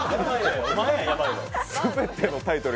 全てのタイトル